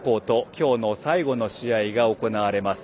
今日の最後の試合が行われます。